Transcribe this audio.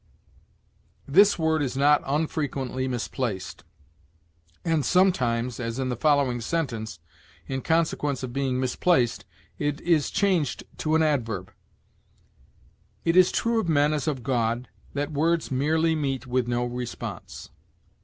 This word is not unfrequently misplaced, and sometimes, as in the following sentence, in consequence of being misplaced, it is changed to an adverb: "It is true of men as of God, that words merely meet with no response."